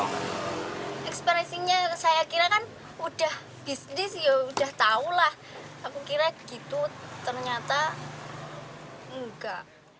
ekspresinya saya kira kan udah bisnis ya udah tahu lah aku kira gitu ternyata enggak